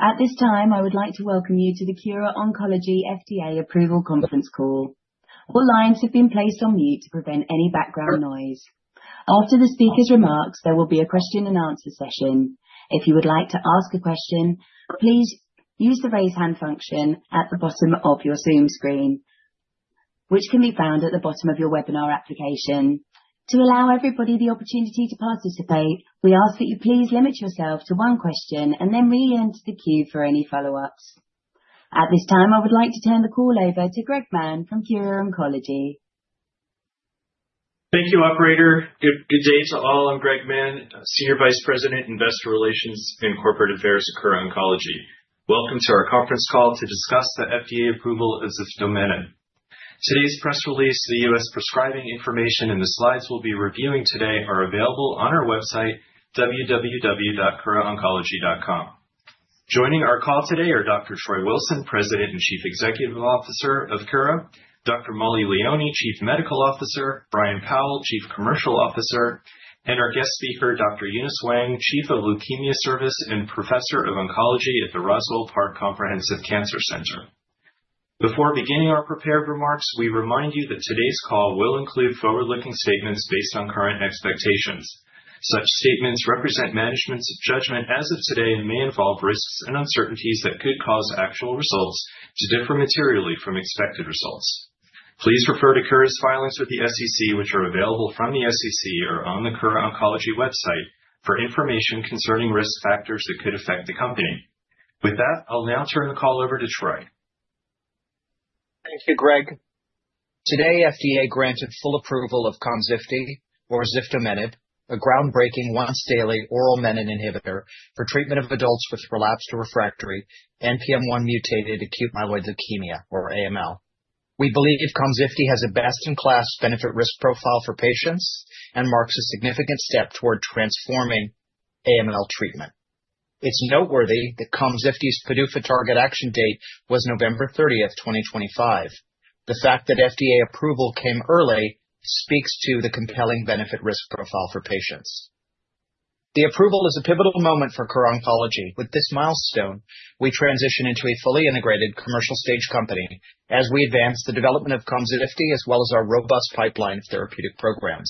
At this time, I would like to welcome you to the Kura Oncology FDA Approval conference call. All lines have been placed on mute to prevent any background noise. After the speakers' remarks, there will be a question-and-answer session. If you would like to ask a question, please use the raise hand function at the bottom of your Zoom screen, which can be found at the bottom of your webinar application. To allow everybody the opportunity to participate, we ask that you please limit yourself to one question and then re-enter the queue for any follow-ups. At this time, I would like to turn the call over to Greg Mann from Kura Oncology. Thank you, Operator. Good day to all. I'm Greg Mann, Senior Vice President, Investor Relations and Corporate Affairs at Kura Oncology. Welcome to our conference call to discuss the FDA approval of ziftomenib. Today's press release, the U.S. prescribing information, and the slides we'll be reviewing today are available on our website, www.kuraoncology.com. Joining our call today are Dr. Troy Wilson, President and Chief Executive Officer of Kura; Dr. Mollie Leoni, Chief Medical Officer; Brian Powl, Chief Commercial Officer; and our guest speaker, Dr. Eunice Wang, Chief of Leukemia Service and Professor of Oncology at the Roswell Park Comprehensive Cancer Center. Before beginning our prepared remarks, we remind you that today's call will include forward-looking statements based on current expectations. Such statements represent management's judgment as of today and may involve risks and uncertainties that could cause actual results to differ materially from expected results. Please refer to Kura's filings with the SEC, which are available from the SEC or on the Kura Oncology website for information concerning risk factors that could affect the company. With that, I'll now turn the call over to Troy. Thank you, Greg. Today, FDA granted full approval of KOMZIFTI, or ziftomenib, a groundbreaking once-daily oral menin inhibitor for treatment of adults with relapsed or refractory NPM1-mutated acute myeloid leukemia, or AML. We believe KOMZIFTI has a best-in-class benefit-risk profile for patients and marks a significant step toward transforming AML treatment. It's noteworthy that KOMZIFTI's PDUFA target action date was November 30th, 2025. The fact that FDA approval came early speaks to the compelling benefit-risk profile for patients. The approval is a pivotal moment for Kura Oncology. With this milestone, we transition into a fully integrated commercial-stage company as we advance the development of KOMZIFTI as well as our robust pipeline of therapeutic programs.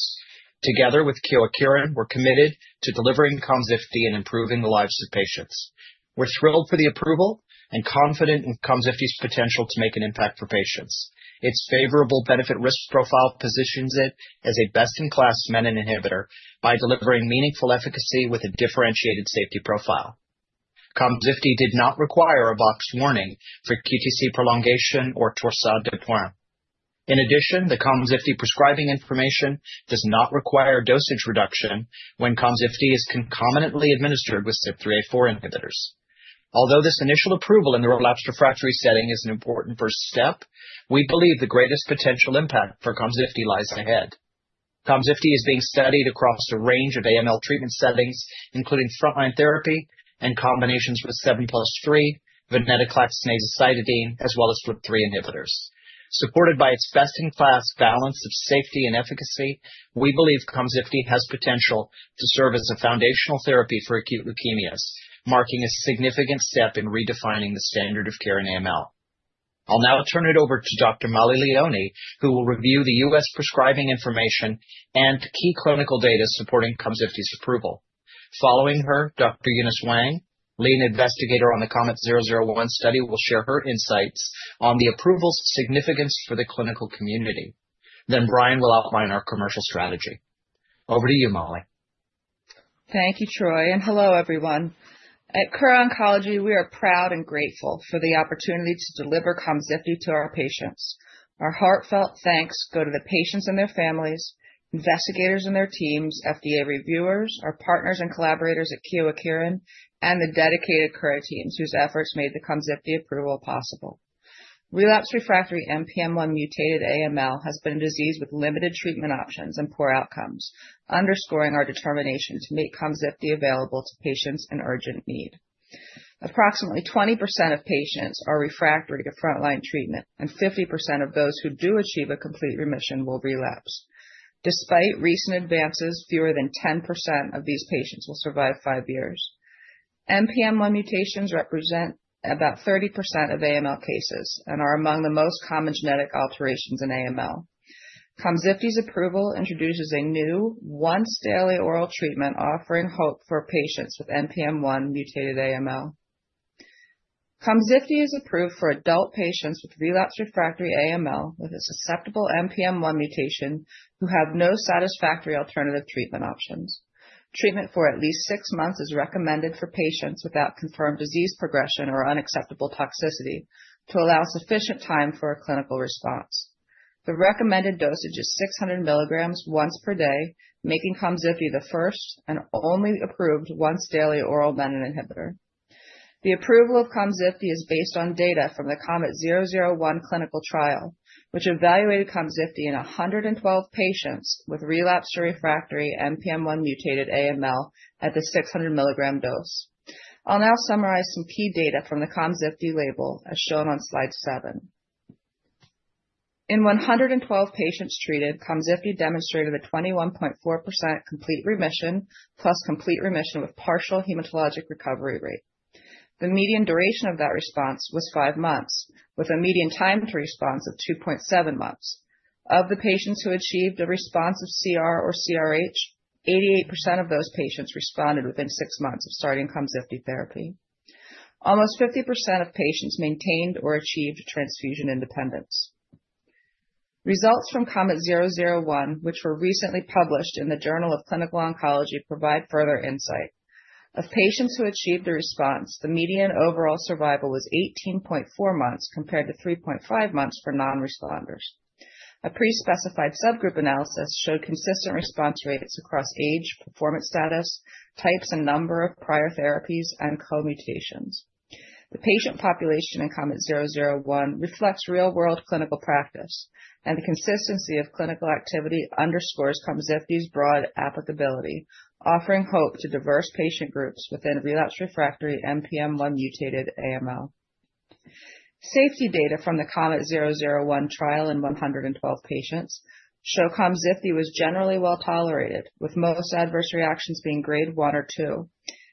Together with Kyowa Kirin, we're committed to delivering KOMZIFTI and improving the lives of patients. We're thrilled for the approval and confident in KOMZIFTI's potential to make an impact for patients. Its favorable benefit-risk profile positions it as a best-in-class menin inhibitor by delivering meaningful efficacy with a differentiated safety profile. KOMZIFTI did not require a box warning for QTc prolongation or Torsades de Pointes. In addition, the KOMZIFTI prescribing information does not require dosage reduction when KOMZIFTI is concomitantly administered with CYP3A4 inhibitors. Although this initial approval in the relapsed refractory setting is an important first step, we believe the greatest potential impact for KOMZIFTI lies ahead. KOMZIFTI is being studied across a range of AML treatment settings, including frontline therapy and combinations with 7+3, venetoclax/azacitidine, as well as FLT3 inhibitors. Supported by its best-in-class balance of safety and efficacy, we believe KOMZIFTI has potential to serve as a foundational therapy for acute leukemias, marking a significant step in redefining the standard of care in AML. I'll now turn it over to Dr. Mollie Leoni, who will review the U.S. prescribing information and key clinical data supporting KOMZIFTI's approval. Following her, Dr. Eunice Wang, Lead Investigator on the KOMET-001 study, will share her insights on the approval's significance for the clinical community. Brian will outline our commercial strategy. Over to you, Mollie. Thank you, Troy, and hello, everyone. At Kura Oncology, we are proud and grateful for the opportunity to deliver KOMZIFTI to our patients. Our heartfelt thanks go to the patients and their families, investigators and their teams, FDA reviewers, our partners and collaborators at Kyowa Kirin, and the dedicated Kura teams whose efforts made the KOMZIFTI approval possible. Relapsed refractory NPM1-mutated AML has been a disease with limited treatment options and poor outcomes, underscoring our determination to make KOMZIFTI available to patients in urgent need. Approximately 20% of patients are refractory to frontline treatment, and 50% of those who do achieve a complete remission will relapse. Despite recent advances, fewer than 10% of these patients will survive five years. NPM1 mutations represent about 30% of AML cases and are among the most common genetic alterations in AML. KOMZIFTI's approval introduces a new once-daily oral treatment offering hope for patients with NPM1-mutated AML. KOMZIFTI is approved for adult patients with relapsed refractory AML with a susceptible NPM1 mutation who have no satisfactory alternative treatment options. Treatment for at least six months is recommended for patients without confirmed disease progression or unacceptable toxicity to allow sufficient time for a clinical response. The recommended dosage is 600 mg once per day, making KOMZIFTI the first and only approved once-daily oral menin inhibitor. The approval of KOMZIFTI is based on data from the KOMET-001 clinical trial, which evaluated KOMZIFTI in 112 patients with relapsed or refractory NPM1-mutated AML at the 600 milligram dose. I'll now summarize some key data from the KOMZIFTI label as shown on slide seven. In 112 patients treated, KOMZIFTI demonstrated a 21.4% complete remission plus complete remission with partial hematologic recovery rate. The median duration of that response was five months, with a median time to response of 2.7 months. Of the patients who achieved a response of CR or CRh, 88% of those patients responded within six months of starting KOMZIFTI therapy. Almost 50% of patients maintained or achieved transfusion independence. Results from KOMET-001, which were recently published in the Journal of Clinical Oncology, provide further insight. Of patients who achieved the response, the median overall survival was 18.4 months compared to 3.5 months for non-responders. A pre-specified subgroup analysis showed consistent response rates across age, performance status, types, and number of prior therapies, and co-mutations. The patient population in KOMET-001 reflects real-world clinical practice, and the consistency of clinical activity underscores KOMZIFTI's broad applicability, offering hope to diverse patient groups within relapsed refractory NPM1-mutated AML. Safety data from the KOMET-001 trial in 112 patients show KOMZIFTI was generally well tolerated, with most adverse reactions being grade one or two.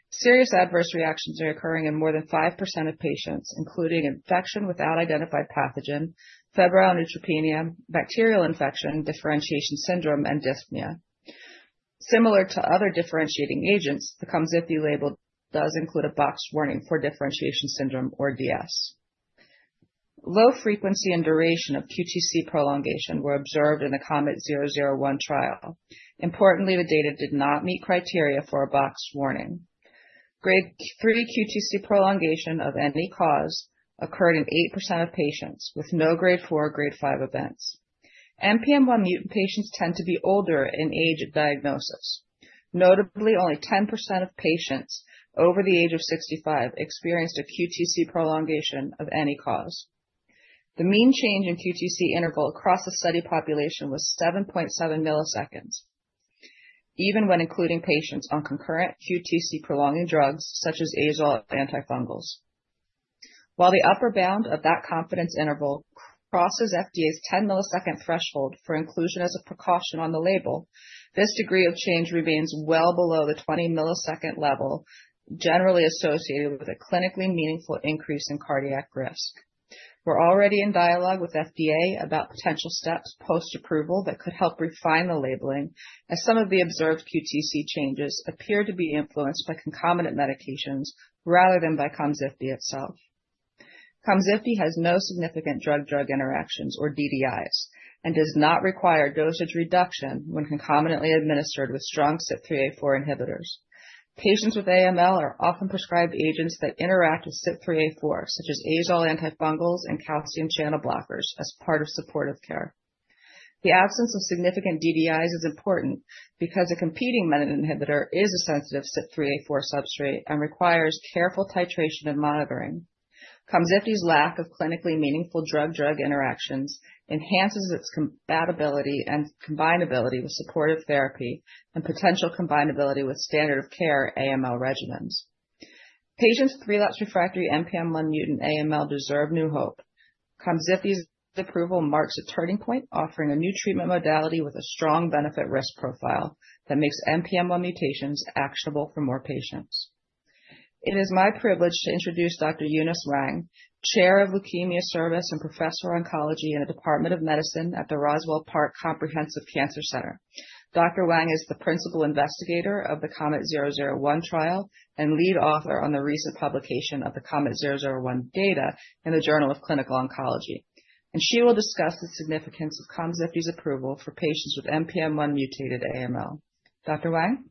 Serious adverse reactions are occurring in more than 5% of patients, including infection without identified pathogen, febrile neutropenia, bacterial infection, differentiation syndrome, and dyspnea. Similar to other differentiating agents, the KOMZIFTI label does include a box warning for differentiation syndrome, or DS. Low frequency and duration of QTc prolongation were observed in the KOMET-001 trial. Importantly, the data did not meet criteria for a box warning. Grade three QTc prolongation of any cause occurred in 8% of patients with no grade four or grade five events. NPM1-mutant patients tend to be older in age at diagnosis. Notably, only 10% of patients over the age of 65 experienced a QTc prolongation of any cause. The mean change in QTc interval across the study population was 7.7 ms, even when including patients on concurrent QTc prolonging drugs such as azole antifungals. While the upper bound of that confidence interval crosses FDA's 10-millisecond threshold for inclusion as a precaution on the label, this degree of change remains well below the 20-millisecond level generally associated with a clinically meaningful increase in cardiac risk. We're already in dialogue with FDA about potential steps post-approval that could help refine the labeling, as some of the observed QTc changes appear to be influenced by concomitant medications rather than by KOMZIFTI itself. KOMZIFTI has no significant drug-drug interactions or DDIs and does not require dosage reduction when concomitantly administered with strong CYP3A4 inhibitors. Patients with AML are often prescribed agents that interact with CYP3A4, such as azole antifungals and calcium channel blockers, as part of supportive care. The absence of significant DDIs is important because a competing menin inhibitor is a sensitive CYP3A4 substrate and requires careful titration and monitoring. KOMZIFTI's lack of clinically meaningful drug-drug interactions enhances its compatibility and combinability with supportive therapy and potential combinability with standard of care AML regimens. Patients with relapsed refractory NPM1-mutant AML deserve new hope. KOMZIFTI's approval marks a turning point, offering a new treatment modality with a strong benefit-risk profile that makes NPM1 mutations actionable for more patients. It is my privilege to introduce Dr. Eunice Wang, Chair of Leukemia Service and Professor of Oncology in the Department of Medicine at the Roswell Park Comprehensive Cancer Center. Dr. Wang is the principal investigator of the KOMET-001 trial and lead author on the recent publication of the KOMET-001 data in the Journal of Clinical Oncology. She will discuss the significance of KOMZIFTI's approval for patients with NPM1-mutated AML. Dr. Wang?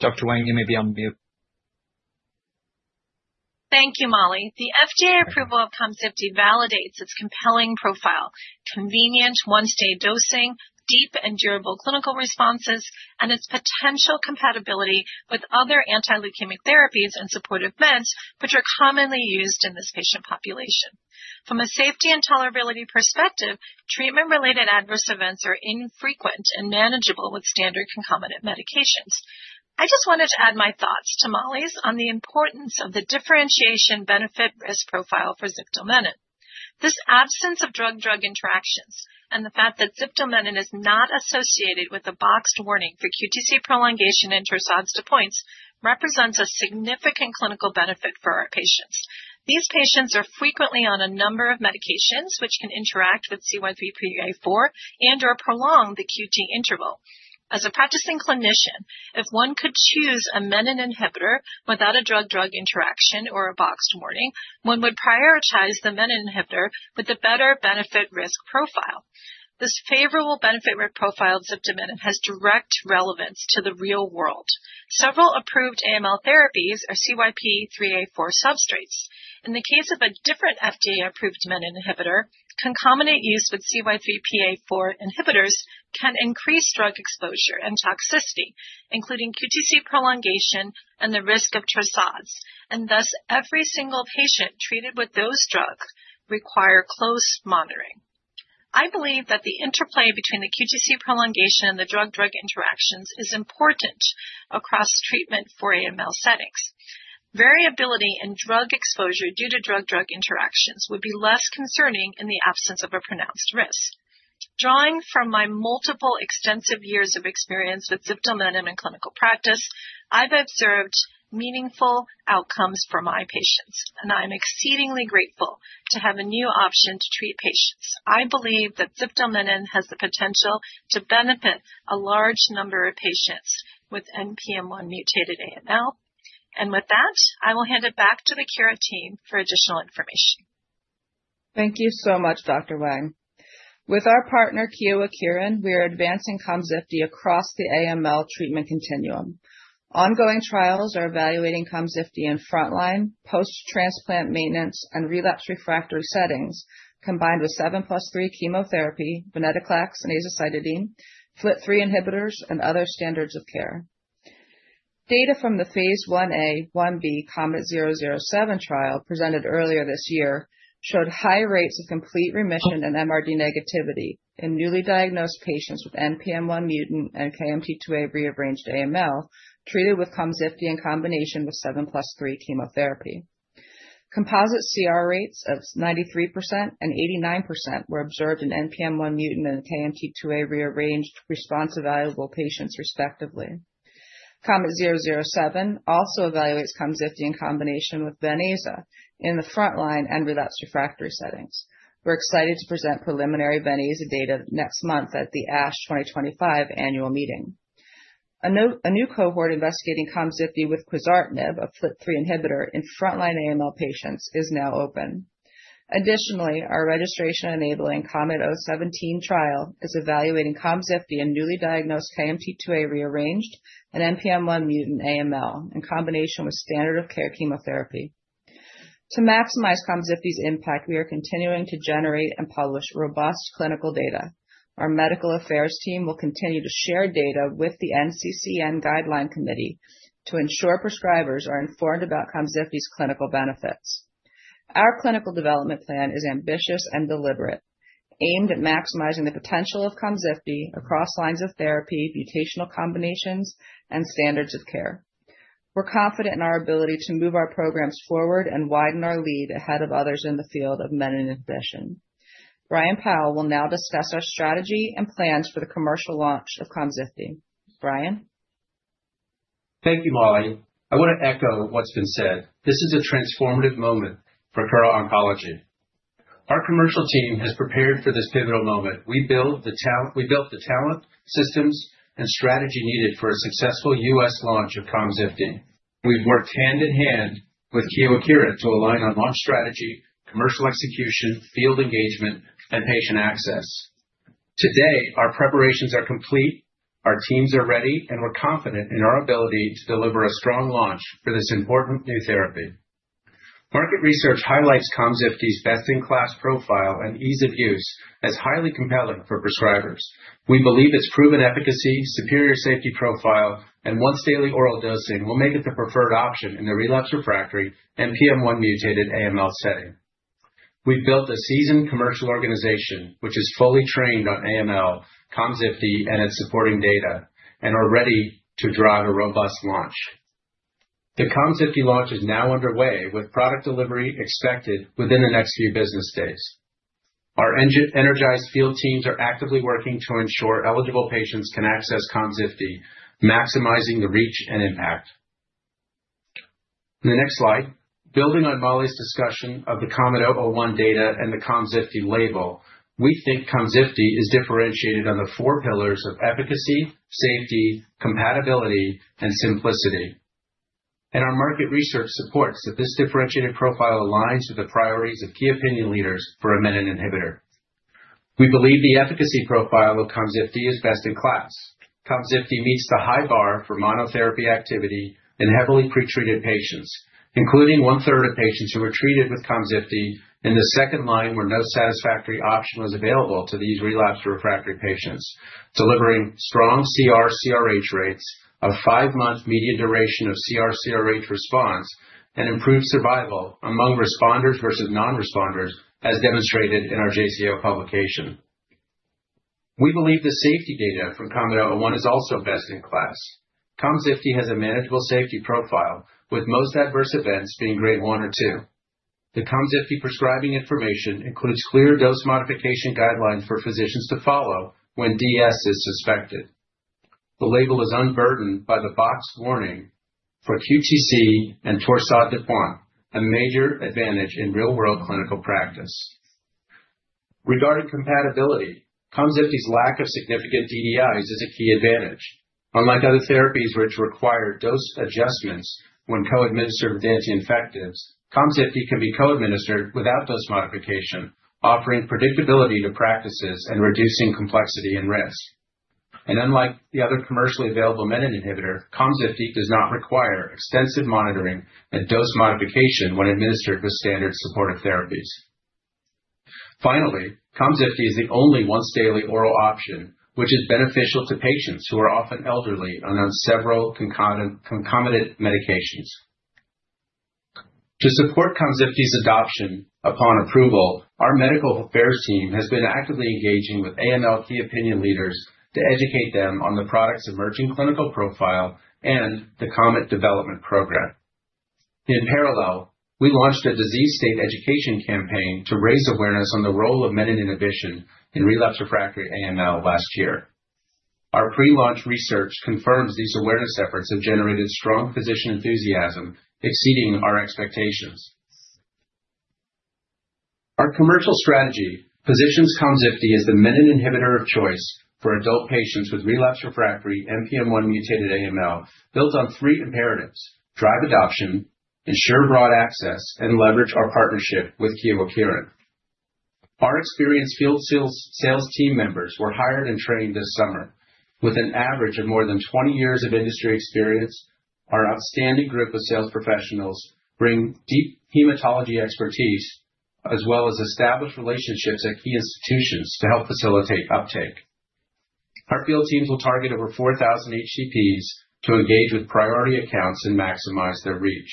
Hello. Dr. Wang, you may be on mute. Thank you, Mollie. The FDA approval of KOMZIFTI validates its compelling profile, convenient once-day dosing, deep and durable clinical responses, and its potential compatibility with other anti-leukemic therapies and supportive meds, which are commonly used in this patient population. From a safety and tolerability perspective, treatment-related adverse events are infrequent and manageable with standard concomitant medications. I just wanted to add my thoughts to Mollie's on the importance of the differentiation benefit-risk profile for ziftomenib. This absence of drug-drug interactions and the fact that ziftomenib is not associated with a boxed warning for QTc prolongation and Torsades de Pointes represents a significant clinical benefit for our patients. These patients are frequently on a number of medications which can interact with CYP3A4 and/or prolong the QT interval. As a practicing clinician, if one could choose a menin inhibitor without a drug-drug interaction or a boxed warning, one would prioritize the menin inhibitor with a better benefit-risk profile. This favorable benefit-risk profile of KOMZIFTI has direct relevance to the real world. Several approved AML therapies are CYP3A4 substrates. In the case of a different FDA-approved menin inhibitor, concomitant use with CYP3A4 inhibitors can increase drug exposure and toxicity, including QTc prolongation and the risk of Torsades, and thus every single patient treated with those drugs requires close monitoring. I believe that the interplay between the QTc prolongation and the drug-drug interactions is important across treatment for AML settings. Variability in drug exposure due to drug-drug interactions would be less concerning in the absence of a pronounced risk. Drawing from my multiple extensive years of experience with ziftomenib in clinical practice, I've observed meaningful outcomes for my patients, and I'm exceedingly grateful to have a new option to treat patients. I believe that ziftomenib has the potential to benefit a large number of patients with NPM1-mutated AML. With that, I will hand it back to the Kura team for additional information. Thank you so much, Dr. Wang. With our partner, Kyowa Kirin, we are advancing KOMZIFTI across the AML treatment continuum. Ongoing trials are evaluating KOMZIFTI in frontline, post-transplant maintenance, and relapsed refractory settings combined with 7+3 chemotherapy, venetoclax/azacitidine, FLT3 inhibitors, and other standards of care. Data from the phase I-A, I-B, KOMET-007 trial presented earlier this year showed high rates of complete remission and MRD negativity in newly diagnosed patients with NPM1-mutant and KMT2A rearranged AML treated with KOMZIFTI in combination with 7+3 chemotherapy. Composite CR rates of 93% and 89% were observed in NPM1-mutant and KMT2A rearranged response-available patients, respectively. KOMET-007 also evaluates KOMZIFTI in combination with vene in the frontline and relapsed refractory settings. We're excited to present preliminary vene data next month at the ASH 2025 annual meeting. A new cohort investigating KOMZIFTI with quizartinib, a FLT3 inhibitor in frontline AML patients, is now open. Additionally, our registration-enabling KOMET-017 trial is evaluating KOMZIFTI in newly diagnosed KMT2A rearranged and NPM1-mutant AML in combination with standard of care chemotherapy. To maximize KOMZIFTI's impact, we are continuing to generate and publish robust clinical data. Our medical affairs team will continue to share data with the NCCN Guideline Committee to ensure prescribers are informed about KOMZIFTI's clinical benefits. Our clinical development plan is ambitious and deliberate, aimed at maximizing the potential of KOMZIFTI across lines of therapy, mutational combinations, and standards of care. We're confident in our ability to move our programs forward and widen our lead ahead of others in the field of menin inhibition. Brian Powl will now discuss our strategy and plans for the commercial launch of KOMZIFTI. Brian. Thank you, Mollie. I want to echo what's been said. This is a transformative moment for Kura Oncology. Our commercial team has prepared for this pivotal moment. We built the talent, systems, and strategy needed for a successful U.S. launch of KOMZIFTI. We've worked hand in hand with Kyowa Kirin to align on launch strategy, commercial execution, field engagement, and patient access. Today, our preparations are complete, our teams are ready, and we're confident in our ability to deliver a strong launch for this important new therapy. Market research highlights KOMZIFTI's best-in-class profile and ease of use as highly compelling for prescribers. We believe its proven efficacy, superior safety profile, and once-daily oral dosing will make it the preferred option in the relapsed refractory NPM1-mutated AML setting. We've built a seasoned commercial organization which is fully trained on AML, KOMZIFTI, and its supporting data, and are ready to drive a robust launch. The KOMZIFTI launch is now underway, with product delivery expected within the next few business days. Our energized field teams are actively working to ensure eligible patients can access KOMZIFTI, maximizing the reach and impact. In the next slide, building on Mollie's discussion of the KOMET-001 data and the KOMZIFTI label, we think KOMZIFTI is differentiated on the four pillars of efficacy, safety, compatibility, and simplicity. Our market research supports that this differentiated profile aligns with the priorities of key opinion leaders for a menin inhibitor. We believe the efficacy profile of KOMZIFTI is best in class. KOMZIFTI meets the high bar for monotherapy activity in heavily pretreated patients, including one-third of patients who were treated with KOMZIFTI in the second line where no satisfactory option was available to these relapsed refractory patients, delivering strong CR/CRh rates of five-month median duration of CR/CRh response and improved survival among responders versus non-responders, as demonstrated in our JCO publication. We believe the safety data from KOMET-001 is also best in class. KOMZIFTI has a manageable safety profile, with most adverse events being grade one or two. The KOMZIFTI prescribing information includes clear dose modification guidelines for physicians to follow when DS is suspected. The label is unburdened by the box warning for QTc and Torsades de Pointes, a major advantage in real-world clinical practice. Regarding compatibility, KOMZIFTI's lack of significant DDIs is a key advantage. Unlike other therapies which require dose adjustments when co-administered with anti-infectives, KOMZIFTI can be co-administered without dose modification, offering predictability to practices and reducing complexity and risk. Unlike the other commercially available menin inhibitor, KOMZIFTI does not require extensive monitoring and dose modification when administered with standard supportive therapies. Finally, KOMZIFTI is the only once-daily oral option which is beneficial to patients who are often elderly and on several concomitant medications. To support KOMZIFTI's adoption upon approval, our medical affairs team has been actively engaging with AML key opinion leaders to educate them on the product's emerging clinical profile and the KOMET development program. In parallel, we launched a disease state education campaign to raise awareness on the role of menin inhibition in relapsed refractory AML last year. Our pre-launch research confirms these awareness efforts have generated strong physician enthusiasm, exceeding our expectations. Our commercial strategy positions KOMZIFTI as the menin inhibitor of choice for adult patients with relapsed refractory NPM1-mutated AML, built on three imperatives: drive adoption, ensure broad access, and leverage our partnership with Kyowa Kirin. Our experienced field sales team members were hired and trained this summer. With an average of more than 20 years of industry experience, our outstanding group of sales professionals brings deep hematology expertise as well as established relationships at key institutions to help facilitate uptake. Our field teams will target over 4,000 HCPs to engage with priority accounts and maximize their reach.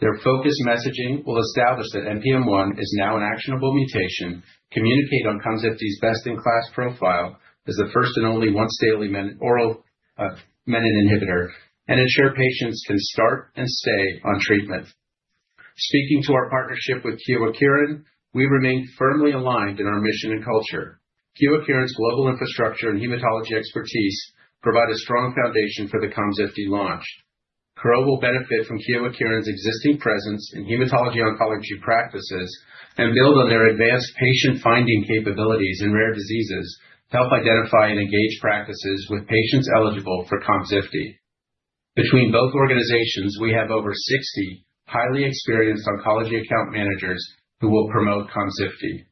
Their focused messaging will establish that NPM1 is now an actionable mutation, communicate on KOMZIFTI's best-in-class profile as the first and only once-daily oral menin inhibitor, and ensure patients can start and stay on treatment. Speaking to our partnership with Kyowa Kirin, we remain firmly aligned in our mission and culture. Kyowa Kirin's global infrastructure and hematology expertise provide a strong foundation for the KOMZIFTI launch. Kura will benefit from Kyowa Kirin's existing presence in hematology oncology practices and build on their advanced patient-finding capabilities in rare diseases to help identify and engage practices with patients eligible for KOMZIFTI. Between both organizations, we have over 60 highly experienced oncology account managers who will promote KOMZIFTI.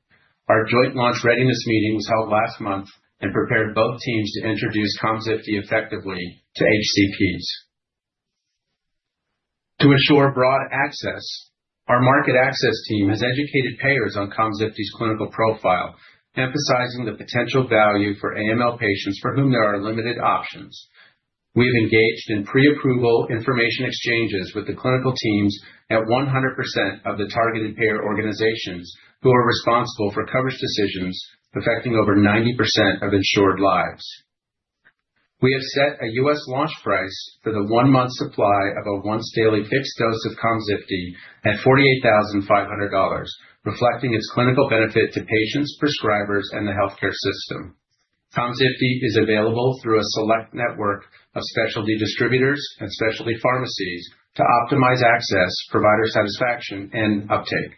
Our joint launch readiness meeting was held last month and prepared both teams to introduce KOMZIFTI effectively to HCPs. To ensure broad access, our market access team has educated payers on KOMZIFTI's clinical profile, emphasizing the potential value for AML patients for whom there are limited options. We have engaged in pre-approval information exchanges with the clinical teams at 100% of the targeted payer organizations who are responsible for coverage decisions affecting over 90% of insured lives. We have set a U.S. Launch price for the one-month supply of a once-daily fixed dose of KOMZIFTI at $48,500, reflecting its clinical benefit to patients, prescribers, and the healthcare system. KOMZIFTI is available through a select network of specialty distributors and specialty pharmacies to optimize access, provider satisfaction, and uptake.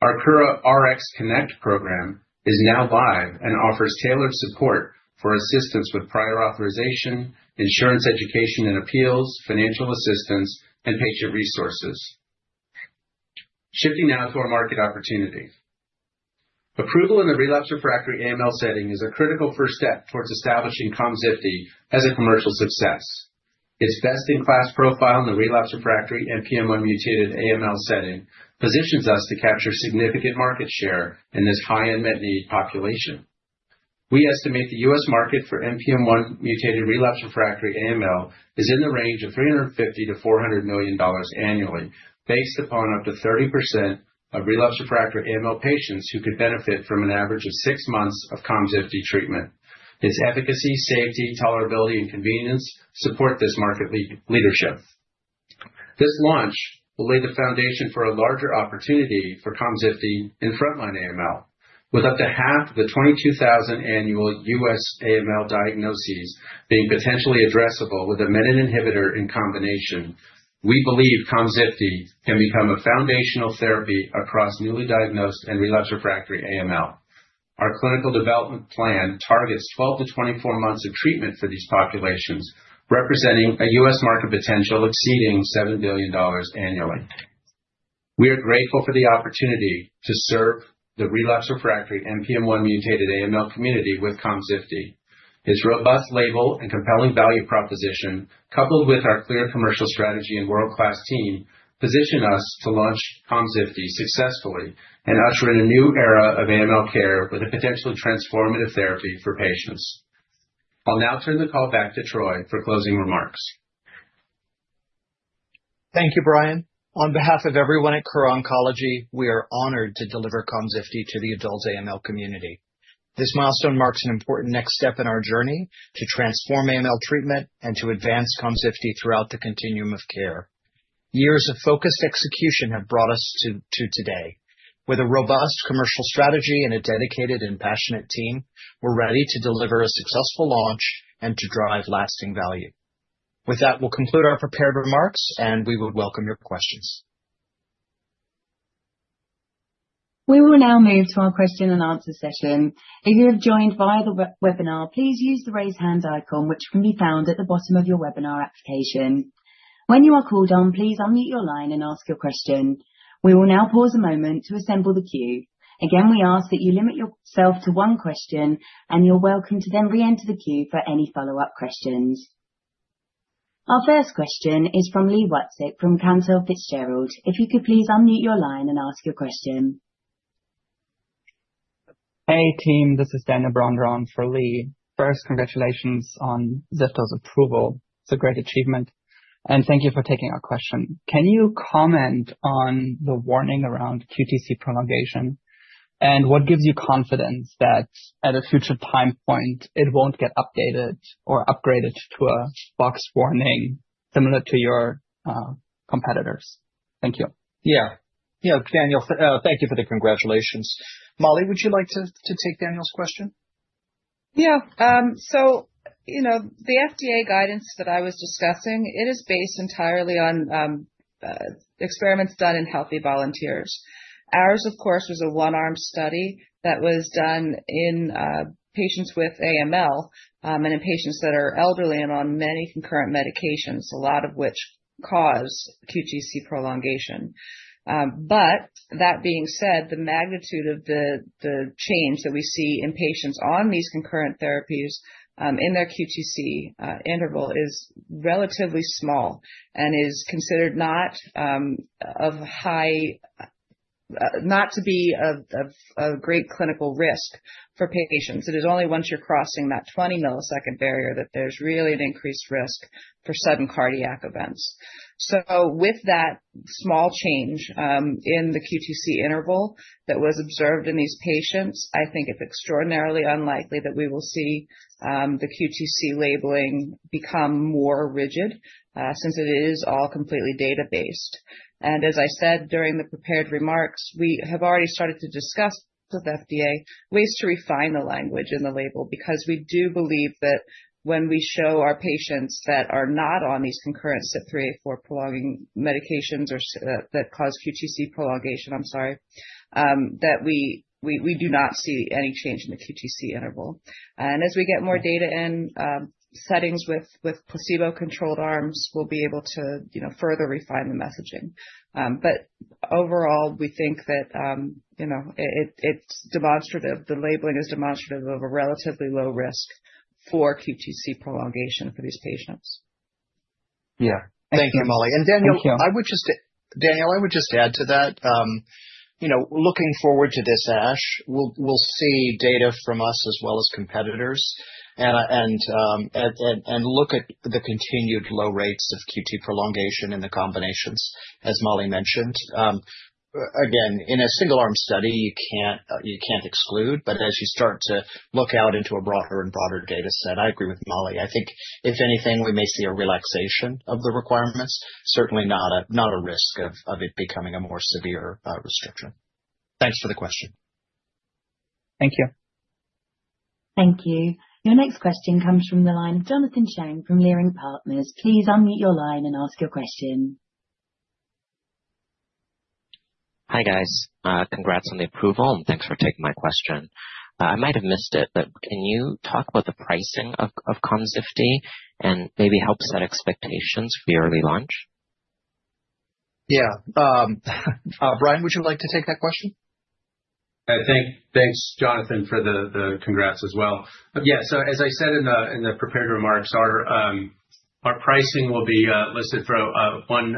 Our Kura RxKonnect program is now live and offers tailored support for assistance with prior authorization, insurance education and appeals, financial assistance, and patient resources. Shifting now to our market opportunity. Approval in the relapsed refractory AML setting is a critical first step towards establishing KOMZIFTI as a commercial success. Its best-in-class profile in the relapsed refractory NPM1-mutated AML setting positions us to capture significant market share in this high-end med need population. We estimate the U.S. Market for NPM1-mutated relapsed refractory AML is in the range of $350 million-$400 million annually, based upon up to 30% of relapsed refractory AML patients who could benefit from an average of six months of KOMZIFTI treatment. Its efficacy, safety, tolerability, and convenience support this market leadership. This launch will lay the foundation for a larger opportunity for KOMZIFTI in frontline AML, with up to half of the 22,000 annual U.S. AML diagnoses being potentially addressable with a menin inhibitor in combination. We believe KOMZIFTI can become a foundational therapy across newly diagnosed and relapsed refractory AML. Our clinical development plan targets 12-24 months of treatment for these populations, representing a U.S. market potential exceeding $7 billion annually. We are grateful for the opportunity to serve the relapsed refractory NPM1-mutated AML community with KOMZIFTI. Its robust label and compelling value proposition, coupled with our clear commercial strategy and world-class team, position us to launch KOMZIFTI successfully and usher in a new era of AML care with a potentially transformative therapy for patients. I'll now turn the call back to Troy for closing remarks. Thank you, Brian. On behalf of everyone at Kura Oncology, we are honored to deliver KOMZIFTI to the adult AML community. This milestone marks an important next step in our journey to transform AML treatment and to advance KOMZIFTI throughout the continuum of care. Years of focused execution have brought us to today. With a robust commercial strategy and a dedicated and passionate team, we're ready to deliver a successful launch and to drive lasting value. With that, we'll conclude our prepared remarks, and we would welcome your questions. We will now move to our question-and-answer session. If you have joined via the webinar, please use the raise hand icon, which can be found at the bottom of your webinar application. When you are called on, please unmute your line and ask your question. We will now pause a moment to assemble the queue. Again, we ask that you limit yourself to one question, and you're welcome to then re-enter the queue for any follow-up questions. Our first question is from Li Watsek from Cantor Fitzgerald. If you could please unmute your line and ask your question. Hey, team. This is Daniel Bronder on for Lee. First, congratulations on KOMZIFTI's approval. It's a great achievement. Thank you for taking our question. Can you comment on the warning around QTc prolongation and what gives you confidence that at a future time point, it won't get updated or upgraded to a box warning similar to your competitors? Thank you. Yeah. Yeah, Daniel, thank you for the congratulations. Mollie, would you like to take Daniel's question? Yeah. So you know the FDA guidance that I was discussing, it is based entirely on experiments done in healthy volunteers. Ours, of course, was a one-arm study that was done in patients with AML and in patients that are elderly and on many concurrent medications, a lot of which cause QTc prolongation. That being said, the magnitude of the change that we see in patients on these concurrent therapies in their QTc interval is relatively small and is considered not of high, not to be of great clinical risk for patients. It is only once you're crossing that 20-millisecond barrier that there's really an increased risk for sudden cardiac events. With that small change in the QTc interval that was observed in these patients, I think it's extraordinarily unlikely that we will see the QTc labeling become more rigid since it is all completely data-based. As I said during the prepared remarks, we have already started to discuss with the FDA ways to refine the language in the label because we do believe that when we show our patients that are not on these concurrent CYP3A4 inhibitors or that cause QTc prolongation, I'm sorry, that we do not see any change in the QTc interval. As we get more data in settings with placebo-controlled arms, we'll be able to further refine the messaging. Overall, we think that it's demonstrative, the labeling is demonstrative of a relatively low risk for QTc prolongation for these patients. Yeah. Thank you, Mollie. Daniel, I would just add to that. Looking forward to this ASH, we'll see data from us as well as competitors and look at the continued low rates of QTc prolongation in the combinations, as Mollie mentioned. Again, in a single-arm study, you can't exclude, but as you start to look out into a broader and broader data set, I agree with Mollie. I think if anything, we may see a relaxation of the requirements, certainly not a risk of it becoming a more severe restriction. Thanks for the question. Thank you. Thank you. Your next question comes from the line of Jonathan Chang from Leerink Partners. Please unmute your line and ask your question. Hi guys. Congrats on the approval, and thanks for taking my question. I might have missed it, but can you talk about the pricing of KOMZIFTI and maybe help set expectations for your early launch? Yeah. Brian, would you like to take that question? Thanks, Jonathan, for the congrats as well. Yeah. As I said in the prepared remarks, our pricing will be listed for one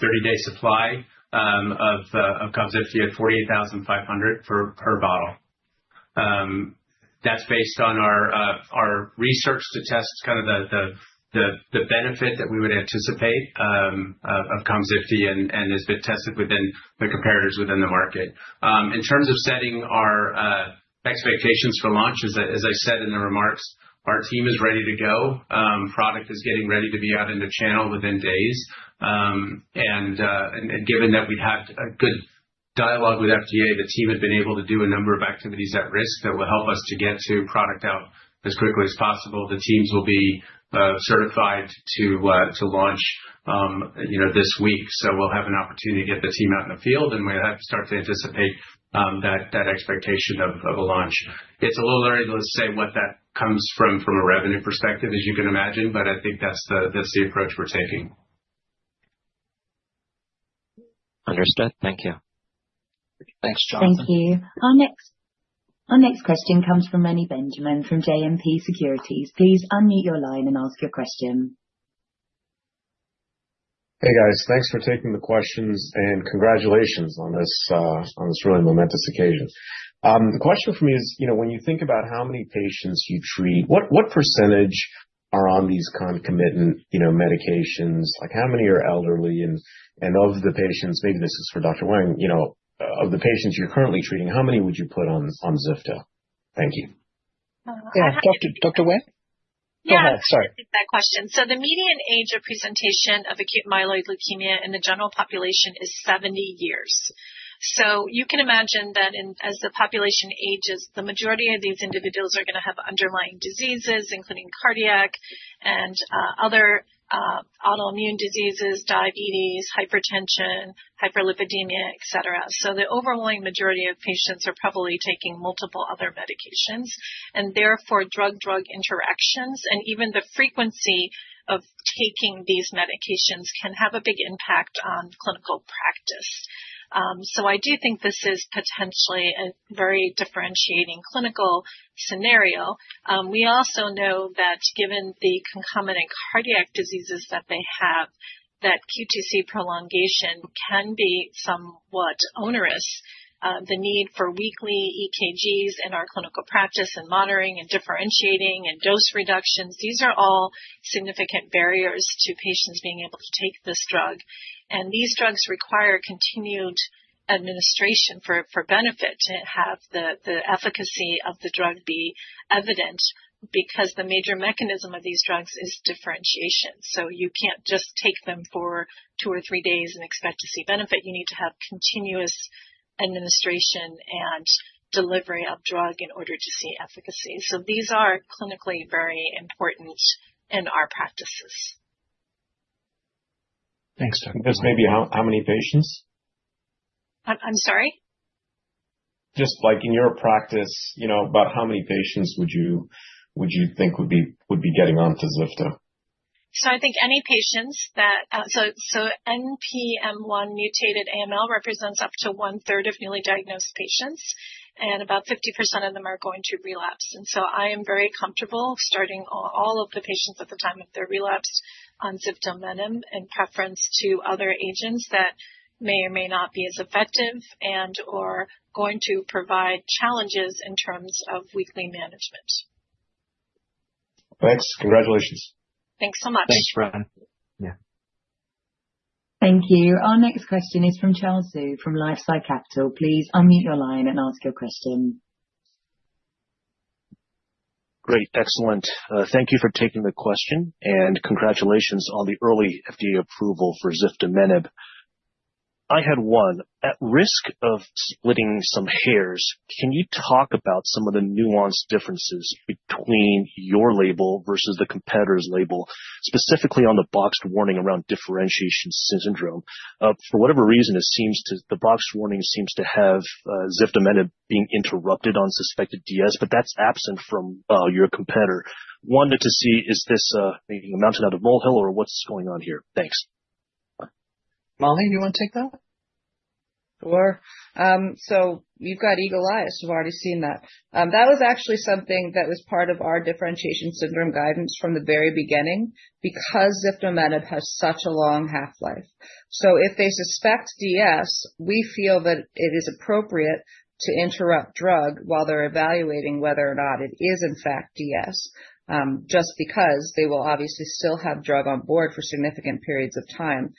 30-day supply of KOMZIFTI at $48,500 per bottle. That is based on our research to test kind of the benefit that we would anticipate of KOMZIFTI and has been tested within the competitors within the market. In terms of setting our expectations for launch, as I said in the remarks, our team is ready to go. Product is getting ready to be out in the channel within days. Given that we have had a good dialogue with FDA, the team has been able to do a number of activities at risk that will help us to get product out as quickly as possible. The teams will be certified to launch this week. We'll have an opportunity to get the team out in the field, and we have to start to anticipate that expectation of a launch. It's a little early to say what that comes from from a revenue perspective, as you can imagine, but I think that's the approach we're taking. Understood. Thank you. Thanks, Jonathan. Thank you. Our next question comes from [Mani Benjamin] from JMP Securities. Please unmute your line and ask your question. Hey guys, thanks for taking the questions, and congratulations on this really momentous occasion. The question for me is, when you think about how many patients you treat, what percentage are on these concomitant medications? How many are elderly? Of the patients, maybe this is for Dr. Wang, of the patients you're currently treating, how many would you put on KOMZIFTI? Thank you. Dr. Wang? Go ahead. Sorry. Yeah. I'll take that question. The median age of presentation of acute myeloid leukemia in the general population is 70 years. You can imagine that as the population ages, the majority of these individuals are going to have underlying diseases, including cardiac and other autoimmune diseases, diabetes, hypertension, hyperlipidemia, etc. The overwhelming majority of patients are probably taking multiple other medications, and therefore drug-drug interactions and even the frequency of taking these medications can have a big impact on clinical practice. I do think this is potentially a very differentiating clinical scenario. We also know that given the concomitant cardiac diseases that they have, QTc prolongation can be somewhat onerous. The need for weekly EKGs in our clinical practice and monitoring and differentiating and dose reductions, these are all significant barriers to patients being able to take this drug. These drugs require continued administration for benefit to have the efficacy of the drug be evident because the major mechanism of these drugs is differentiation. You cannot just take them for two or three days and expect to see benefit. You need to have continuous administration and delivery of drug in order to see efficacy. These are clinically very important in our practices. Thanks, Tony. Maybe how many patients? I'm sorry? Just like in your practice, about how many patients would you think would be getting onto KOMZIFTI? I think any patients that, so NPM1-mutated AML represents up to one-third of newly diagnosed patients, and about 50% of them are going to relapse. I am very comfortable starting all of the patients at the time of their relapse on KOMZIFTI in preference to other agents that may or may not be as effective and/or going to provide challenges in terms of weekly management. Thanks. Congratulations. Thanks so much. Thanks, [Mani]. Thank you. Our next question is from Charles Zhu from LifeSci Capital. Please unmute your line and ask your question. Great. Excellent. Thank you for taking the question, and congratulations on the early FDA approval for ziftomenib. I had one. At risk of splitting some hairs, can you talk about some of the nuanced differences between your label versus the competitor's label, specifically on the boxed warning around differentiation syndrome? For whatever reason, it seems the boxed warning seems to have ziftomenib being interrupted on suspected DS, but that's absent from your competitor. Wanted to see, is this a mountain out of molehill, or what's going on here? Thanks. Mollie, do you want to take that? Sure. So you've got eagle eyes. We've already seen that. That was actually something that was part of our differentiation syndrome guidance from the very beginning because ziftomenib has such a long half-life. If they suspect DS, we feel that it is appropriate to interrupt drug while they're evaluating whether or not it is, in fact, DS, just because they will obviously still have drug on board for significant periods of time,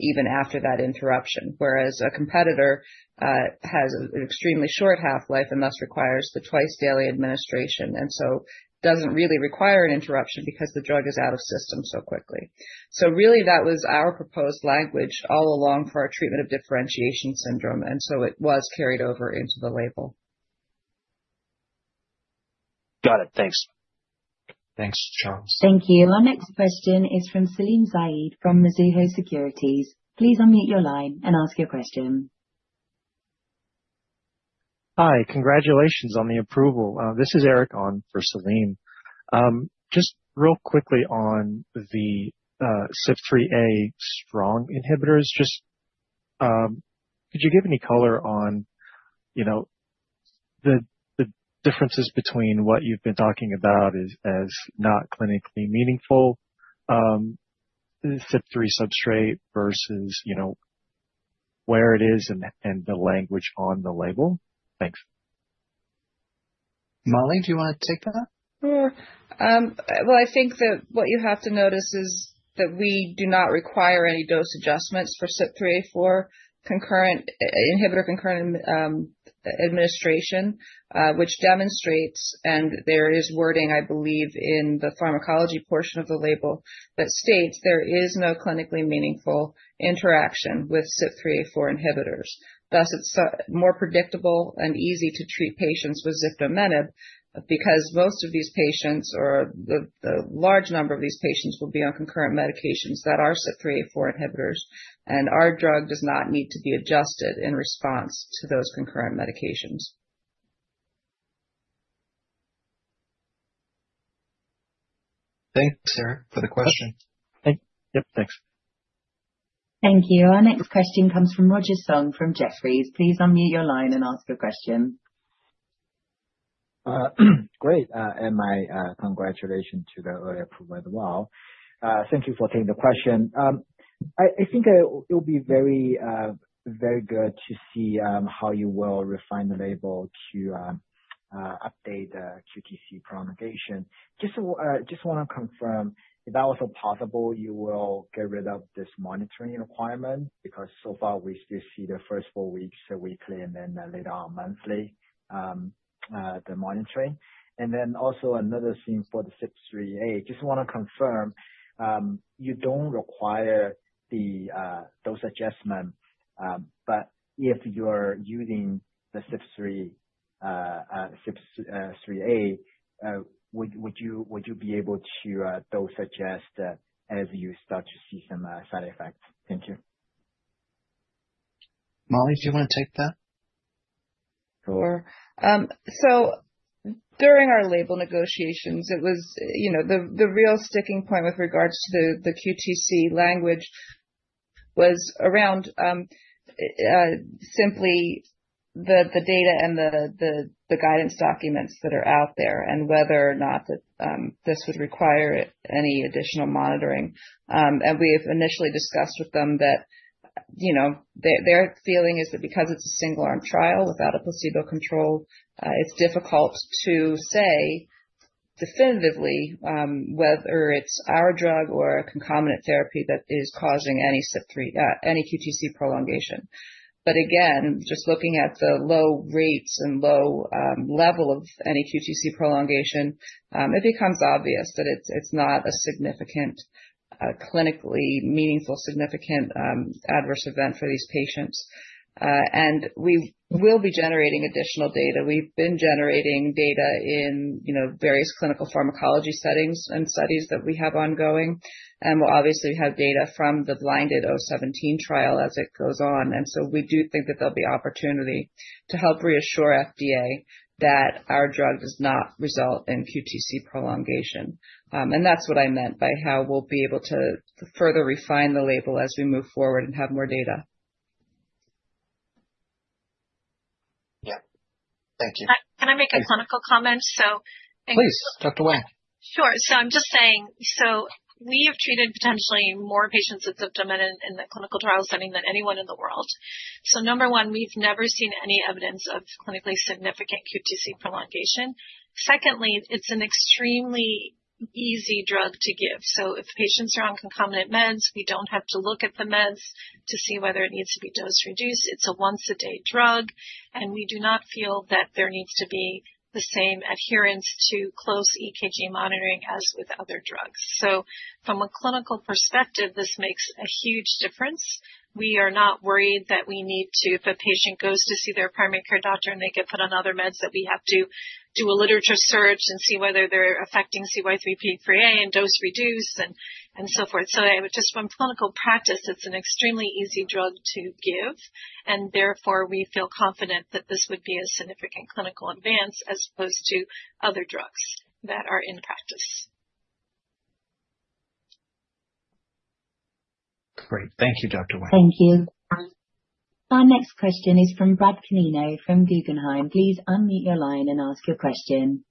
even after that interruption, whereas a competitor has an extremely short half-life and thus requires the twice-daily administration. It doesn't really require an interruption because the drug is out of system so quickly. Really, that was our proposed language all along for our treatment of differentiation syndrome, and it was carried over into the label. Got it. Thanks. Thanks, Charles. Thank you. Our next question is from Salim Syed from Mizuho Securities. Please unmute your line and ask your question. Hi. Congratulations on the approval. This is Eric. On for Salim. Just real quickly on the CYP3A strong inhibitors, just could you give any color on the differences between what you've been talking about as not clinically meaningful, CYP3 substrate versus where it is and the language on the label? Thanks. Mollie, do you want to take that? Sure. I think that what you have to notice is that we do not require any dose adjustments for CYP3A4 concurrent inhibitor concurrent administration, which demonstrates, and there is wording, I believe, in the pharmacology portion of the label that states there is no clinically meaningful interaction with CYP3A4 inhibitors. Thus, it is more predictable and easy to treat patients with ziftomenib because most of these patients, or the large number of these patients, will be on concurrent medications that are CYP3A4 inhibitors, and our drug does not need to be adjusted in response to those concurrent medications. Thanks, Eric, for the question. Yep. Thanks. Thank you. Our next question comes from Roger Song from Jefferies. Please unmute your line and ask your question. Great. My congratulations to the earlier approval as well. Thank you for taking the question. I think it will be very good to see how you will refine the label to update the QTc prolongation. Just want to confirm, if that was possible, you will get rid of this monitoring requirement because so far we still see the first four weeks weekly and then later on monthly, the monitoring. Also, another thing for the CYP3A, just want to confirm, you do not require those adjustments, but if you are using the CYP3A, would you be able to dose adjust as you start to see some side effects? Thank you. Mollie, do you want to take that? Sure. During our label negotiations, the real sticking point with regards to the QTc language was around simply the data and the guidance documents that are out there and whether or not this would require any additional monitoring. We have initially discussed with them that their feeling is that because it is a single-arm trial without a placebo control, it is difficult to say definitively whether it is our drug or a concomitant therapy that is causing any QTc prolongation. Again, just looking at the low rates and low level of any QTc prolongation, it becomes obvious that it is not a significant, clinically meaningful, significant adverse event for these patients. We will be generating additional data. We have been generating data in various clinical pharmacology settings and studies that we have ongoing. We will obviously have data from the blinded KOMET-017 trial as it goes on. We do think that there'll be opportunity to help reassure the FDA that our drug does not result in QTc prolongation. That is what I meant by how we'll be able to further refine the label as we move forward and have more data. Yeah. Thank you. Can I make a clinical comment? Thank you. Please, Dr. Wang. Sure. I'm just saying, we have treated potentially more patients with ziftomenib in the clinical trial setting than anyone in the world. Number one, we've never seen any evidence of clinically significant QTc prolongation. Secondly, it's an extremely easy drug to give. If patients are on concomitant meds, we don't have to look at the meds to see whether it needs to be dose-reduced. It's a once-a-day drug, and we do not feel that there needs to be the same adherence to close EKG monitoring as with other drugs. From a clinical perspective, this makes a huge difference. We are not worried that we need to, if a patient goes to see their primary care doctor and they get put on other meds, that we have to do a literature search and see whether they're affecting CYP3A4 and dose-reduce and so forth. Just from clinical practice, it's an extremely easy drug to give, and therefore we feel confident that this would be a significant clinical advance as opposed to other drugs that are in practice. Great. Thank you, Dr. Wang. Thank you. Our next question is from Brad Canino from Guggenheim. Please unmute your line and ask your question.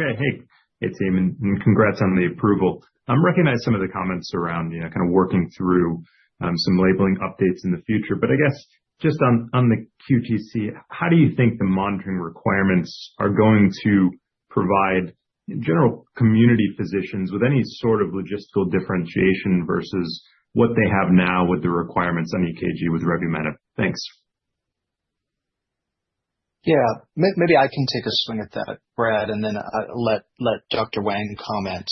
Okay. Hey, hey, team. Congrats on the approval. I recognize some of the comments around kind of working through some labeling updates in the future, but I guess just on the QTc, how do you think the monitoring requirements are going to provide general community physicians with any sort of logistical differentiation versus what they have now with the requirements on EKG with Revumenib? Thanks. Yeah. Maybe I can take a swing at that, Brad, and then let Dr. Wang comment.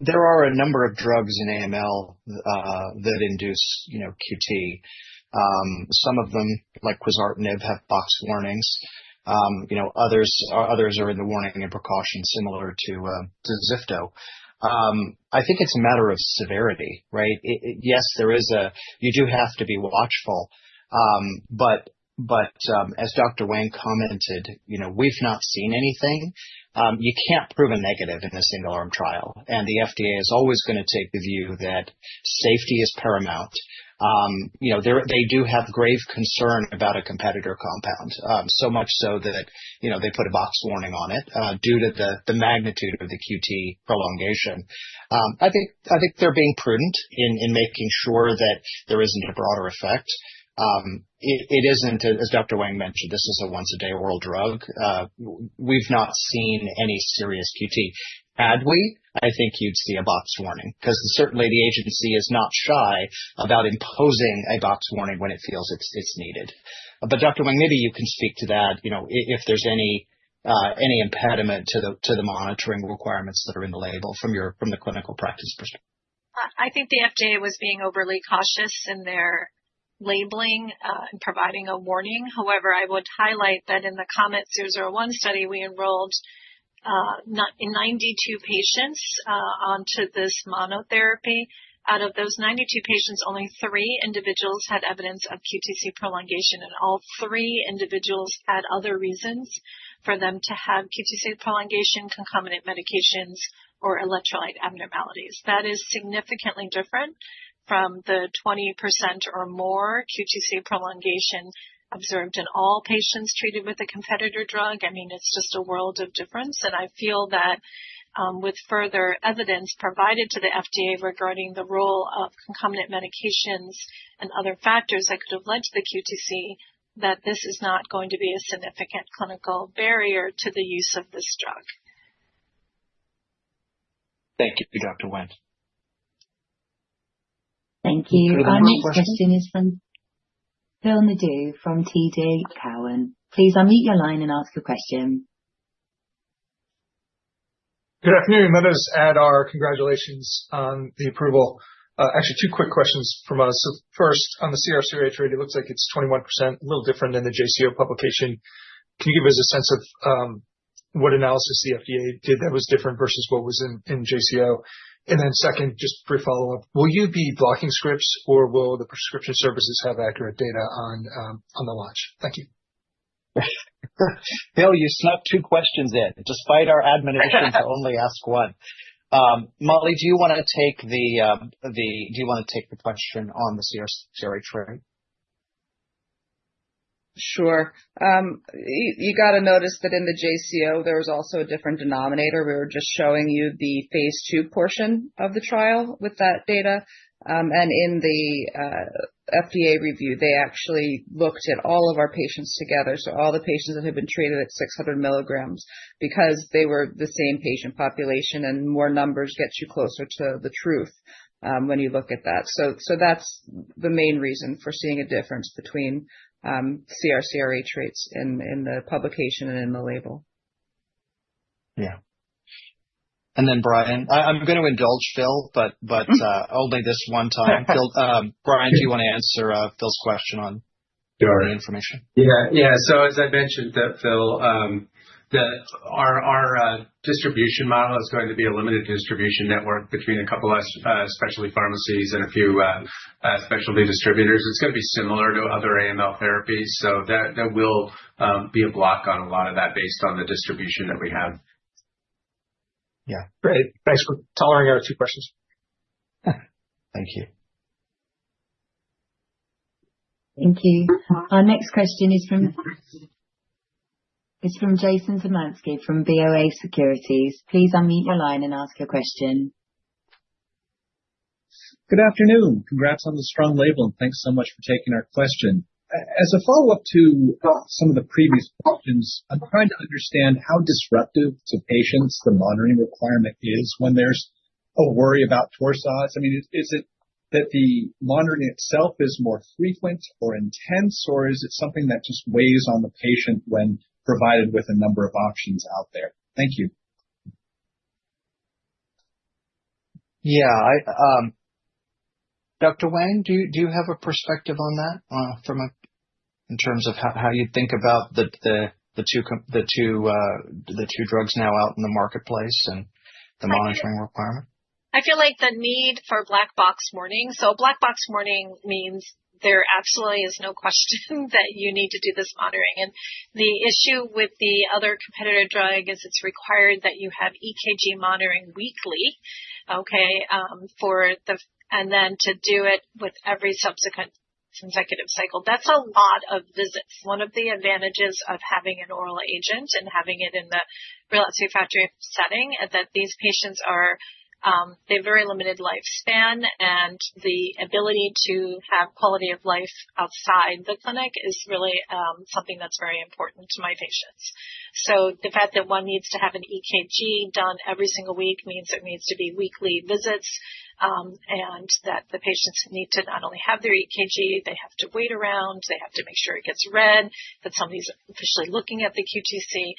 There are a number of drugs in AML that induce QT. Some of them, like quizartinib, have boxed warnings. Others are in the warning and precaution similar to zifto. I think it's a matter of severity, right? Yes, you do have to be watchful. As Dr. Wang commented, we've not seen anything. You can't prove a negative in a single-arm trial. The FDA is always going to take the view that safety is paramount. They do have grave concern about a competitor compound, so much so that they put a box warning on it due to the magnitude of the QTc prolongation. I think they're being prudent in making sure that there isn't a broader effect. It isn't, as Dr. Wang mentioned, this is a once-a-day oral drug. We've not seen any serious QT. Had we, I think you'd see a box warning because certainly the agency is not shy about imposing a box warning when it feels it's needed. Dr. Wang, maybe you can speak to that if there's any impediment to the monitoring requirements that are in the label from the clinical practice perspective. I think the FDA was being overly cautious in their labeling and providing a warning. However, I would highlight that in the KOMET-001 study, we enrolled 92 patients onto this monotherapy. Out of those 92 patients, only three individuals had evidence of QTc prolongation, and all three individuals had other reasons for them to have QTc prolongation, concomitant medications, or electrolyte abnormalities. That is significantly different from the 20% or more QTc prolongation observed in all patients treated with a competitor drug. I mean, it's just a world of difference. I feel that with further evidence provided to the FDA regarding the role of concomitant medications and other factors that could have led to the QTc, that this is not going to be a significant clinical barrier to the use of this drug. Thank you, Dr. Wang. Thank you. Our next question is from Phil Nadeau from TD Cowen. Please unmute your line and ask your question. Good afternoon. Let us add our congratulations on the approval. Actually, two quick questions from us. First, on the CR/CRh rate, it looks like it's 21%, a little different than the JCO publication. Can you give us a sense of what analysis the FDA did that was different versus what was in JCO? Second, just a brief follow-up. Will you be blocking scripts, or will the prescription services have accurate data on the launch? Thank you. Phil, you snuck two questions in, despite our admin issues to only ask one. Mollie, do you want to take the question on the CR/CRh rate? Sure. You got to notice that in the JCO, there was also a different denominator. We were just showing you the phase two portion of the trial with that data. In the FDA review, they actually looked at all of our patients together, so all the patients that had been treated at 600 mg, because they were the same patient population, and more numbers get you closer to the truth when you look at that. That's the main reason for seeing a difference between CR/CRh rates in the publication and in the label. Yeah. Brian, I'm going to indulge Phil, but only this one time. Brian, do you want to answer Phil's question on the information? Yeah. Yeah. As I mentioned, Phil, our distribution model is going to be a limited distribution network between a couple of specialty pharmacies and a few specialty distributors. It is going to be similar to other AML therapies. There will be a block on a lot of that based on the distribution that we have. Yeah. Great. Thanks for tolerating our two questions. Thank you. Thank you. Our next question is from Jason Zemansky from BofA Securities. Please unmute your line and ask your question. Good afternoon. Congrats on the strong label, and thanks so much for taking our question. As a follow-up to some of the previous questions, I'm trying to understand how disruptive to patients the monitoring requirement is when there's a worry about Torsades. I mean, is it that the monitoring itself is more frequent or intense, or is it something that just weighs on the patient when provided with a number of options out there? Thank you. Yeah. Dr. Wang, do you have a perspective on that in terms of how you think about the two drugs now out in the marketplace and the monitoring requirement? I feel like the need for black-box warnings. Black-box warning means there absolutely is no question that you need to do this monitoring. The issue with the other competitor drug is it's required that you have EKG monitoring weekly, okay, and then to do it with every subsequent consecutive cycle. That's a lot of visits. One of the advantages of having an oral agent and having it in the relapsed or refractory setting is that these patients, they have very limited lifespan, and the ability to have quality of life outside the clinic is really something that's very important to my patients. The fact that one needs to have an EKG done every single week means it needs to be weekly visits and that the patients need to not only have their EKG, they have to wait around, they have to make sure it gets read, that somebody's officially looking at the QTc.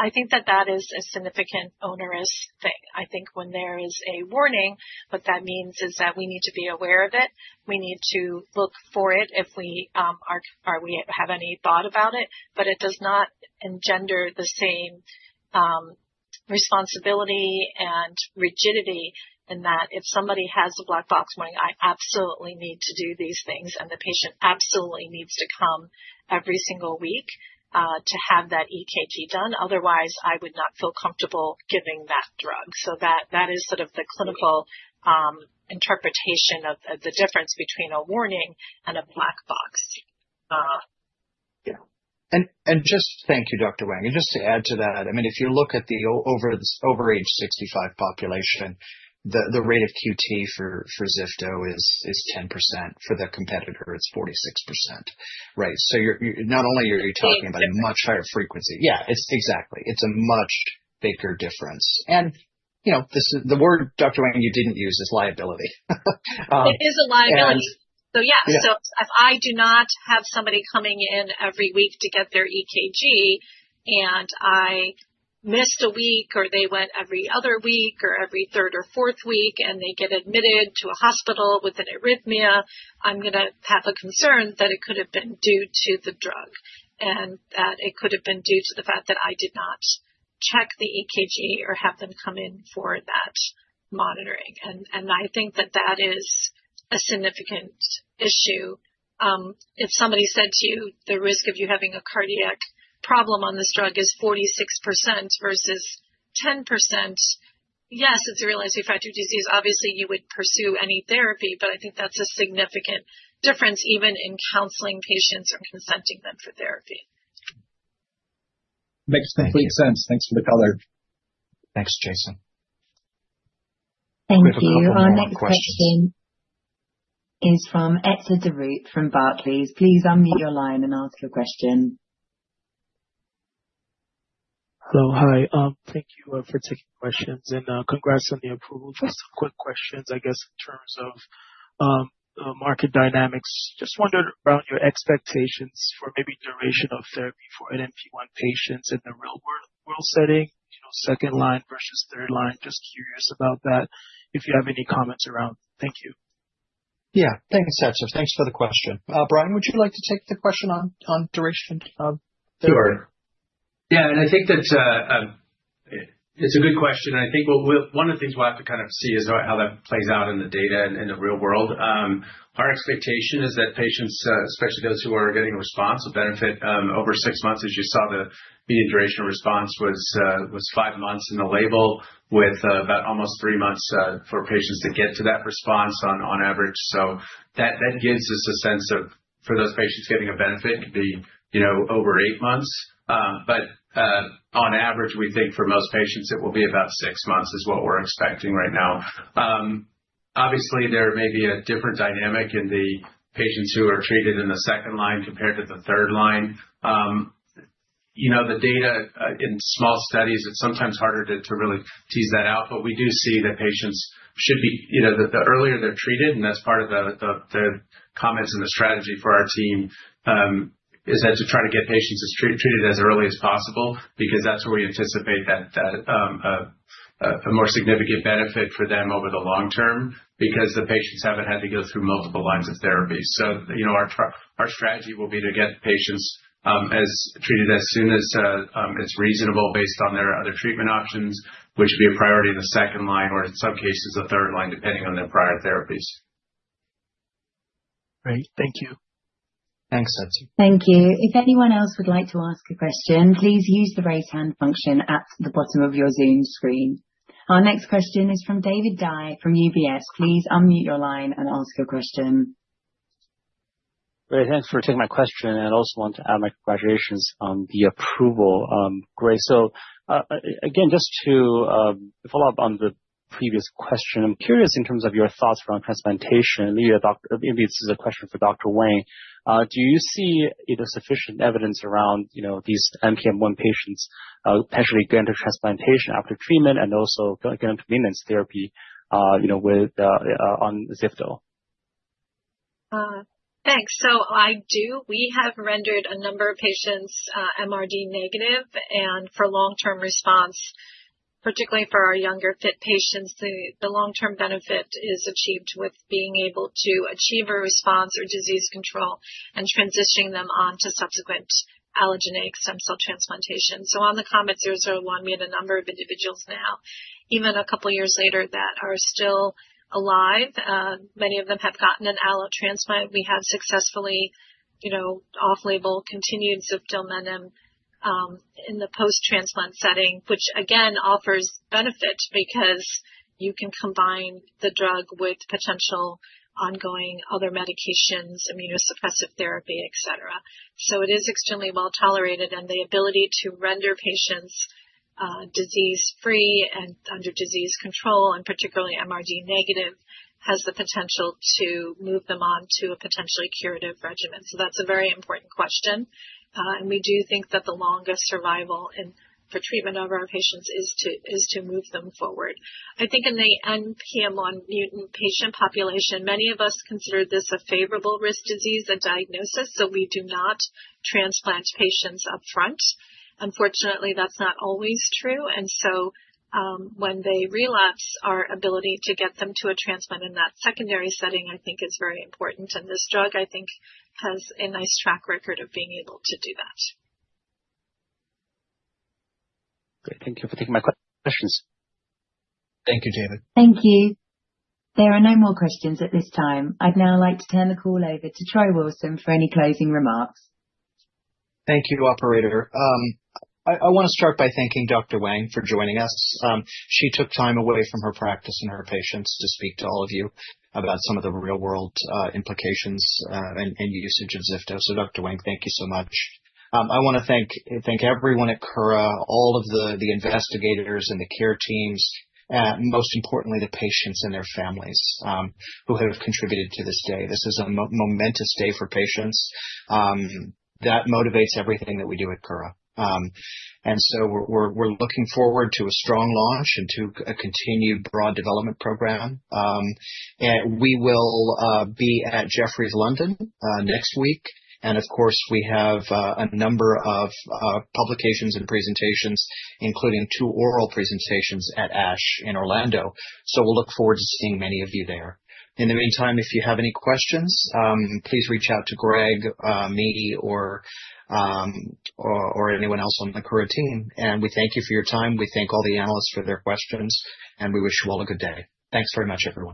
I think that that is a significant onerous thing. I think when there is a warning, what that means is that we need to be aware of it. We need to look for it if we have any thought about it. It does not engender the same responsibility and rigidity in that if somebody has a black-box warning, I absolutely need to do these things, and the patient absolutely needs to come every single week to have that EKG done. Otherwise, I would not feel comfortable giving that drug. That is sort of the clinical interpretation of the difference between a warning and a black-box. Yeah. And just thank you, Dr. Wang. And just to add to that, I mean, if you look at the overage 65 population, the rate of QT for KOMZIFTI is 10%. For their competitor, it's 46%, right? So not only are you talking about a much higher frequency. Yeah, exactly. It's a much bigger difference. And the word, Dr. Wang, you didn't use is liability. It is a liability. Yeah. If I do not have somebody coming in every week to get their EKG, and I missed a week, or they went every other week, or every third or fourth week, and they get admitted to a hospital with an arrhythmia, I'm going to have a concern that it could have been due to the drug and that it could have been due to the fact that I did not check the EKG or have them come in for that monitoring. I think that that is a significant issue. If somebody said to you, "The risk of you having a cardiac problem on this drug is 46% versus 10%," yes, it's a rheologic factory disease. Obviously, you would pursue any therapy, but I think that's a significant difference even in counseling patients or consenting them for therapy. Makes complete sense. Thanks for the color. Thanks, Jason. Thank you. Our next question is from [Etta DeRoute] from Barclays. Please unmute your line and ask your question. Hello. Hi. Thank you for taking questions. And congrats on the approval for some quick questions, I guess, in terms of market dynamics. Just wondered around your expectations for maybe duration of therapy for NPM1 patients in the real-world setting, second line versus third line. Just curious about that, if you have any comments around. Thank you. Yeah. Thanks, [Etta]. Thanks for the question. Brian, would you like to take the question on duration of therapy? Sure. Yeah. I think that it's a good question. I think one of the things we'll have to kind of see is how that plays out in the data in the real world. Our expectation is that patients, especially those who are getting a response, will benefit over six months. As you saw, the median duration of response was five months in the label with about almost three months for patients to get to that response on average. That gives us a sense of, for those patients getting a benefit, it could be over eight months. On average, we think for most patients, it will be about six months is what we're expecting right now. Obviously, there may be a different dynamic in the patients who are treated in the second line compared to the third line. The data in small studies, it's sometimes harder to really tease that out, but we do see that patients should be the earlier they're treated, and that's part of the comments and the strategy for our team is to try to get patients treated as early as possible because that's where we anticipate a more significant benefit for them over the long term because the patients haven't had to go through multiple lines of therapy. Our strategy will be to get patients treated as soon as it's reasonable based on their other treatment options, which would be a priority in the second line or, in some cases, the third line, depending on their prior therapies. Great. Thank you. Thanks, Etta. Thank you. If anyone else would like to ask a question, please use the raise hand function at the bottom of your Zoom screen. Our next question is from David Dai from UBS. Please unmute your line and ask your question. Great. Thanks for taking my question. I also want to add my congratulations on the approval. Great. Just to follow up on the previous question, I'm curious in terms of your thoughts around transplantation. Maybe this is a question for Dr. Wang. Do you see either sufficient evidence around these NPM1 patients potentially going to transplantation after treatment and also going to maintenance therapy on zifto? Thanks. I do. We have rendered a number of patients MRD negative. For long-term response, particularly for our younger fit patients, the long-term benefit is achieved with being able to achieve a response or disease control and transitioning them on to subsequent allogeneic stem cell transplantation. On the KOMET-001, we had a number of individuals now, even a couple of years later, that are still alive. Many of them have gotten an allotransplant. We have successfully off-label continued ziftomenib in the post-transplant setting, which, again, offers benefit because you can combine the drug with potential ongoing other medications, immunosuppressive therapy, etc. It is extremely well tolerated. The ability to render patients disease-free and under disease control, and particularly MRD negative, has the potential to move them on to a potentially curative regimen. That is a very important question. We do think that the longest survival for treatment of our patients is to move them forward. I think in the NPM1 mutant patient population, many of us consider this a favorable risk disease and diagnosis, so we do not transplant patients upfront. Unfortunately, that's not always true. When they relapse, our ability to get them to a transplant in that secondary setting, I think, is very important. This drug, I think, has a nice track record of being able to do that. Great. Thank you for taking my questions. Thank you, David. Thank you. There are no more questions at this time. I'd now like to turn the call over to Troy Wilson for any closing remarks. Thank you, Operator. I want to start by thanking Dr. Wang for joining us. She took time away from her practice and her patients to speak to all of you about some of the real-world implications and usage of KOMZIFTI. Dr. Wang, thank you so much. I want to thank everyone at Kura, all of the investigators and the care teams, and most importantly, the patients and their families who have contributed to this day. This is a momentous day for patients. That motivates everything that we do at Kura. We are looking forward to a strong launch and to a continued broad development program. We will be at Jefferies London next week. Of course, we have a number of publications and presentations, including two oral presentations at ASH in Orlando. We look forward to seeing many of you there. In the meantime, if you have any questions, please reach out to Greg, me, or anyone else on the Kura team. We thank you for your time. We thank all the analysts for their questions, and we wish you all a good day. Thanks very much, everyone.